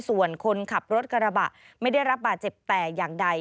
ส่วนคนขับรถกระบะไม่ได้รับบาดเจ็บแต่อย่างใด